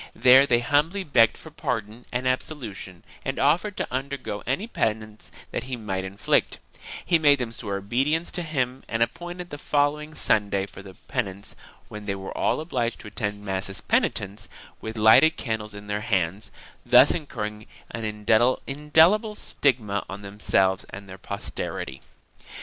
There they humbly begged for pardon and absolution and offered to undergo any penance that he might inflict ; he made them swear obedience to him and appointed the following Sunday for the penance, when they were all obliged to attend mass as penitents, with lighted candles in their hands, thus incurring an indelible stigma on themselves and their posterity.